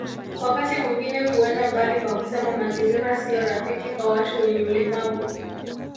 Wakati mwingine huenda mbali kwa kusema mazingira sio rafiki kwa watu wenye ulemavu